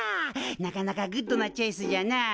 なかなかグッドなチョイスじゃなあ。